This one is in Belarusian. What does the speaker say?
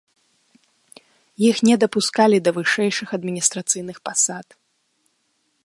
Іх не дапускалі да вышэйшых адміністрацыйных пасад.